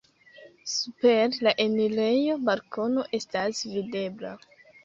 Super la enirejo balkono estas videbla.